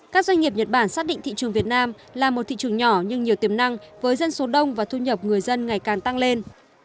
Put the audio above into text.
các doanh nghiệp nhật bản xác định thị trường việt nam là một thị trường nhỏ nhưng nhiều tiềm năng với dân số đông và thu nhập người dân ngày càng tăng lên